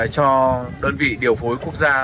cho đơn vị điều phối quốc gia